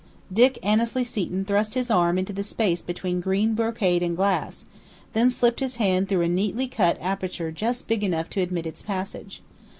Dick Annesley Seton thrust his arm into the space between green brocade and glass, then slipped his hand through a neatly cut aperture just big enough to admit its passage.